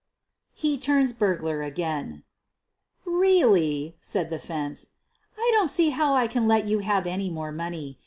HE TURNS BURGLAR AGAIN "Really," said the "fence," "I don't see how I can let you have any more money.